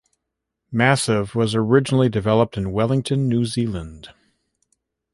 "Massive" was originally developed in Wellington, New Zealand.